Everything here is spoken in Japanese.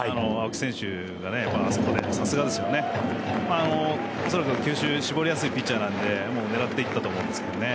恐らく球種、絞りやすいピッチャーなので狙っていったと思うんですけどね。